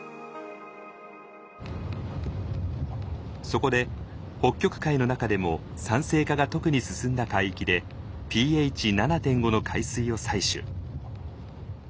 そこで北極海の中でも酸性化が特に進んだ海域でｐＨ７．５の海水を採取。